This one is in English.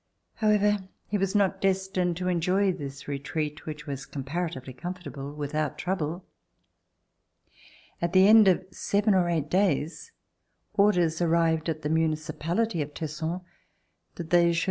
However, he was not destined to enjoy this retreat, which was comparatively comfortable, without trouble. At the end of seven or eight days orders arrived at the municipality of Tesson that they should at [i6o]